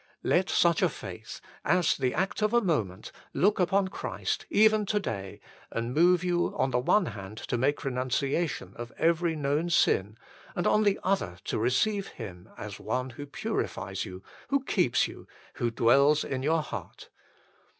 Let such a faith, as the act of a moment, look upon Christ even to day and move you on the one hand to make renunciation of every known sin, and on the other to receive Him as One who purifies you, who keeps you, who dwells in your heart.